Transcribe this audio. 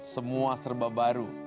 semua serba baru